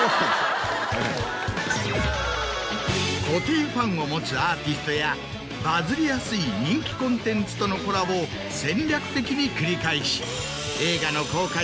固定ファンを持つアーティストやバズりやすい人気コンテンツとのコラボを戦略的に繰り返し。